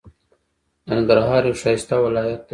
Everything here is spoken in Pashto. ننګرهار یو ښایسته ولایت دی.